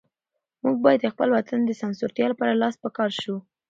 موږ باید د خپل وطن د سمسورتیا لپاره لاس په کار شو.